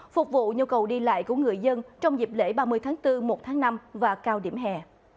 phục vụ nhu cầu đi lại của người dân trong dịp lễ ba mươi tháng bốn một tháng năm và cao điểm hè